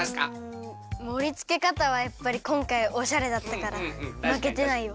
うんもりつけかたはやっぱりこんかいおしゃれだったからまけてないよ。